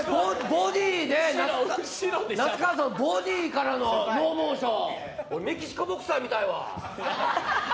ボディからのノーモーション、メキシコボクサーみたいわ。